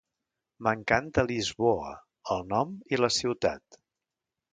M'encanta Lisboa, el nom i la ciutat!